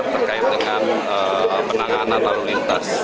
terkait dengan penanganan lalu lintas